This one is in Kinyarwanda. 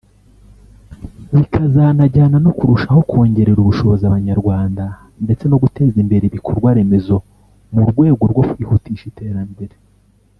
bikazanajyana no kurushaho kongerera ubushobozi Abanyarwanda ndetse no guteza imbere ibikorwa remezo mu rwego rwo kwihutisha iterambere